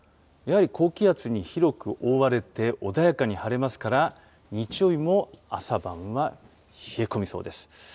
やはり高気圧に広く覆われて、穏やかに晴れますから、日曜日も朝晩は冷え込みそうです。